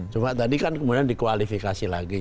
cuma tadi kan kemudian dikualifikasi lagi